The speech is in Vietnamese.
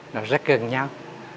nó rất gần nhau